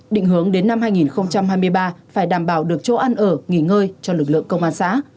định hướng đến năm hai nghìn hai mươi ba phải đảm bảo được chỗ ăn ở nghỉ ngơi cho lực lượng công an xã